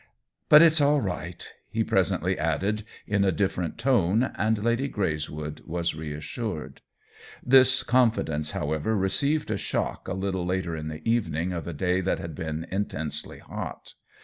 "But it's all right!" he presently added, in a different tone, and Lady Greyswood was reassured. This con fidence, however, received a shock a little later, on the evening of a day that had been intensely hot.